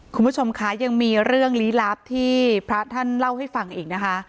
คุณผู้ชมคะยังมีเรื่องลี้ลับที่พระท่านเล่าให้ฟังอีกนะคะ